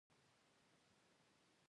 د کتاب مطالعه ذهن خلاصوي.